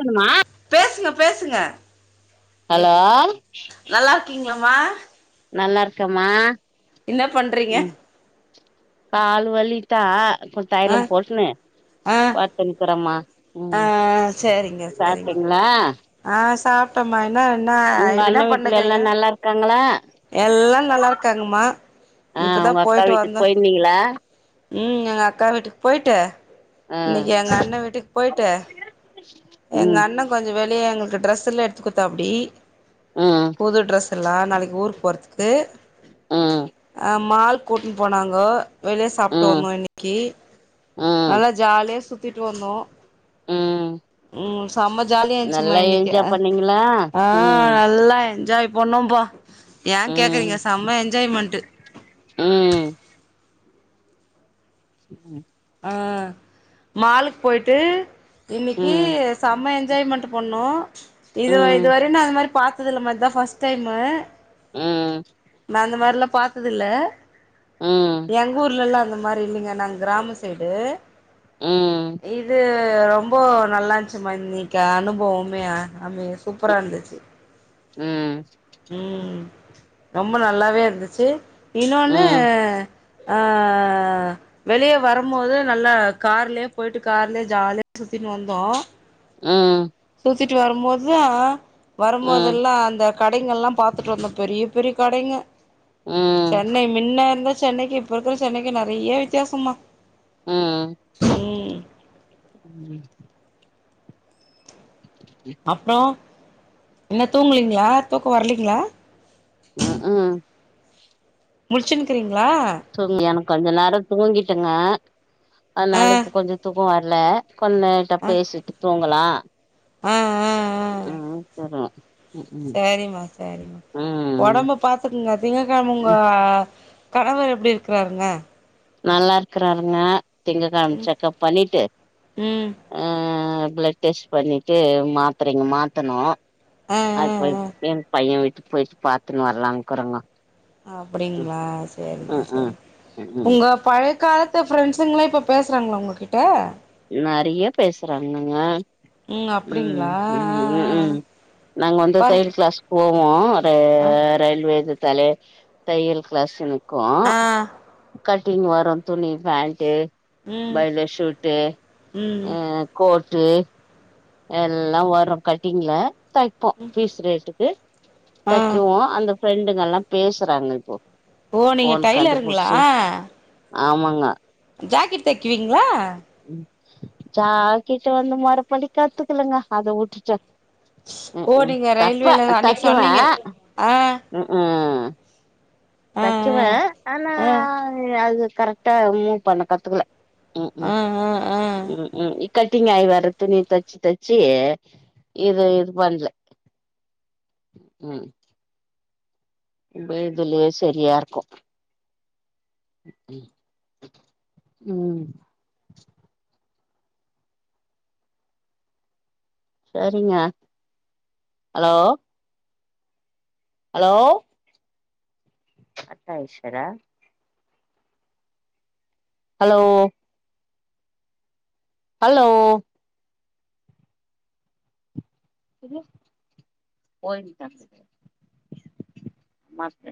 க்கணுமா பேசுங்க பேசுங்க ஹலோ நல்லா இர்க்கீங்கலா மா நல்லா இருக்க மா என்ன பண்றீங்க கால் வலிதா கொஞ் ஆ தைலோ போட்ணு ஆ ப துன்கறமா ஆ சேரிங்க செரிங்க ல ஆ சாப்டம்மா இன்ன இன்ன உங்க இப்ப அண்ண இன்ன வீட்ல எல்லா பண்ணுக்குறீங்க நல்லா இருக்காங்களா எல்லா நல்லா இருக்காங்கமா ஆ ஒங்க அக்கா வீட்டுக்கு போயிருந்தீங்களா உம் எங்க அக்கா வீட்டுக்கு போயிட்டு ஆ இன்னக்கி எங்க அண்ண வீட்டுக்கு போய்ட் எங்க ம் அண்ண கொஞ்சோ வெளியே எங்களுக்கு டிரெஸ் எல்லா எடுத்து குத்தாப்புடி ம் புது டிரெஸ் த்துல்லா நாளைக்கு ஊருக் போறதுக்கு ம் அ மால் கூட்டுனு போனாங்கோ வெளிய சாப்ட்டு ம் வந்தோ இன்னிக்கி ம் நல்லா ஜாலியா சுத்திட்டு வந்தோ ம் ம் செம ஜாலியா இருந்துச்சுமா நல்லா இன்னிக்கி அ என்ஜாய் பண்ணீங்களா ஆ ம் நல்லா என்ஜாய் பண்ணோம்பா ஏ கேக்குறீங்க செம்ம என்ஜாய்மெண்ட்டு உம் உம் ஆ மாலுக்கு போயிட்டு இன்னக்கி ம் சம என்ஜாய்மண்ட்டு பண்ணோ ம் இது ம் இதுவரையு நா அது மாரி பாத்தது இல்ல மா இதா ஃபஸ்ட் டைமு உம் நா அந்த மாரி இல்லா பாத்தது இல்ல ம் எங்க ஊர்ல்லா அந்த மாரி இல்லிங்க நாங் கிராம சைடு ம் இது ரொம்போ நல்லான்ச்சிமா இன்னிக்கு அனுபவமே சூப்பரா இந்துச்சு ம் ம் ரொம்ப நல்லாவே இருந்துச்சு இன்னொன்னு ஆ வெளிய வரும் போது நல்லா கார்லயே போயிட்டு கார்லயே ஜாலியா சுத்தினு வந்தோ அ சுத்திட்டு வரும்போது தா ம் வரும்போதெல்லா அந்த கடைங்கலாம் பாத்துட்டு வந்தோ பெரிய பெரிய கடைங்க ம் சென்னை மின்ன இருந்த சென்னைக்கு இப்ப இருக்குற சென்னைக்கு நெறைய வித்தியாசோமா ம் ம் அப்றோ என்ன தூங்குலீங்களா தூக்கோ வர்லீங்ளா உம் முழிச்சுனு இருக்குறீங்களா தூங்குலியா கொஞ்சோ நேரோ தூங்கிட்டங்க ஆ அதனால இப்ப கொஞ்சோ தூங கு வர்ல கொன்னட்ட ஆ பேசிட்டு தூங்கலா ஆ ஆ ம் ம் தெர்ல சேரிமா சேரிமா ம் உடம்பப் பாத்துக்குங்க திங்ககிழமை உங்க கணவர் எப்டி இருக்குறாருங்க நல்லா இருக்குறாருங்க திங்ககிழமை செக்கப் பண்ணிட்டு ம் அ பிளெட் டெஸ்ட் பண்ணிட்டு மாத்தரைங்க மாத்துணு ஆ அது போய் ஆ ஆ என் பையன் வீட்டுக்கு போயிட்டு பாத்துன்னு வர்லாம்னு இருக்குறங்கோ அப்டிங்களா சேரிங்க ம் ம் சேரிங்க ம் ம் உங்க பழையக்காலத் த்த ஃப்ரெண்ட்ஸுங்கலா இப்போ பேசுறாங்ளா உங்க கிட்ட நிறையா பேசுறாங்கங்க ம் அப்டிங்களா ம் ஆ ஆ [inaudible] ஆ ம் நாங்க வந்த பாரு தையல் கிளாஸ் போவோ ர ஆ ரயில்வே இது தலே தையல் கிளாஸ்ஸு இருக்கும் ஆ கட்டிங் வரு துணி பேண்ட்டு ம் பயல ஷூட் எ ம் அ கோட்டு எல்லா வரு கட்டிங்ல தைப்போ பீஸ் ரேட்டுக்கு ஆ தைக்குவோ அந்த ஃப்ரெண்டுங்க எல்லா பேசுறாங்க இப்போ ஓ நீங்க ஃபோன் டைலருங்ளா கண்டுபுடிச்சு ஆமாங்க ஜாக்கிட் தெக்குவீங்ளா ஜாக்கிட் வந்து மொறப்படி கத்துக்லங்க அத உட்டுட்டே ம் ஓ ம் நீங்க தெப்பே ரயில்வேல அன்னைக்கு தெக்குவே சொன்னீங்க ஆ ம் ம் ஆ தெக்குவே ஆனா ஆ ஆ அது அது கரெக் ட்ட மூவ் பண்ண கத்துக்குல ம்ம் ஆ ஆ ஆ ம் ம் இக்கட்டிங் ஆயி வர துணிய தச்சி தச்சி இது இது பண்ல ம் இந்த இதுலயே சரியாருக்கு ம்ம் ம் சேரிங்க ஹலோ ஹலோ அத்த ஐஸ்வரா ஹலோ ஹலோ எங்க போகிட்டாங்க மாட்டே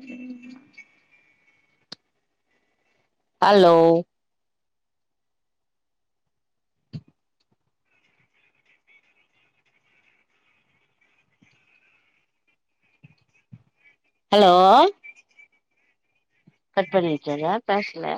அலோ அலோ கட் பண்ணியாச்சாகா பேஸ்ல